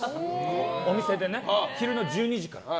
お店でね、昼の１２時から。